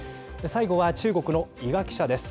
最後は、中国の伊賀記者です。